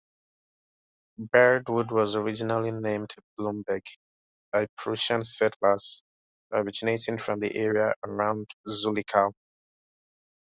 Birdwood was originally named Blumberg, by Prussian settlers originating from the area around Zullichau.